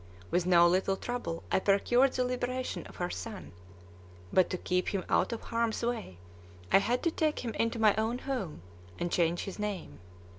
With no little trouble I procured the liberation of her son; but to keep him out of harm's way I had to take him into my own home and change his name.